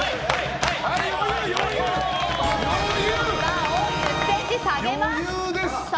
バーを１０ｃｍ下げます。